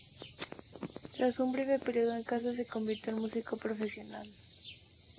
Tras un breve periodo en casa, se convirtió en músico profesional.